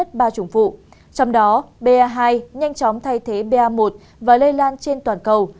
trong đó ba hai nhanh chóng thay thế ba một và lây lan trên toàn cầu